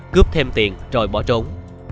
cướp thêm tiền rồi bỏ trốn